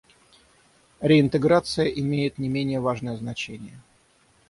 Реинтеграция имеет не менее важное значение.